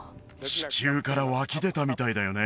地中から湧き出たみたいだよね